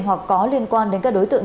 hoặc có liên quan đến các đối tượng